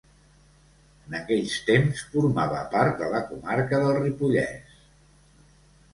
En aquells temps formava part de la comarca del Ripollès.